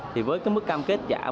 thì với cái mức cam kết giả